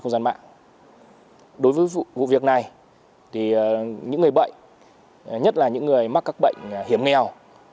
đối với vụ việc này thì những người bệnh nhất là những người mắc các bệnh hiểm nghèo